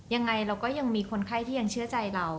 ยังไงเราก็ยังมีคนไข้ที่ยังเชื่อใจเรา